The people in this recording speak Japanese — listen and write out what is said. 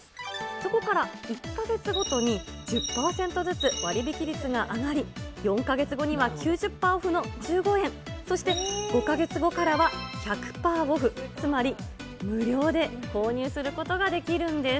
そこから１か月ごとに１０％ずつ割引率が上がり、４か月後には９０パーオフの１５円、そして５か月後からは１００パーオフ、つまり無料で購入することができるんです。